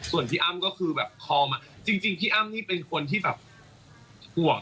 ส่วนพี่อ้ำก็คือแบบพอมาจริงพี่อ้ำนี่เป็นคนที่แบบห่วง